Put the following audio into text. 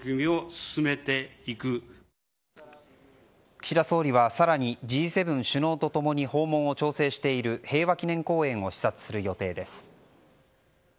岸田総理は、さらにＧ７首脳とともに訪問を調整している平和記念公園を視察する予定です。